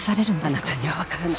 あなたにはわからない。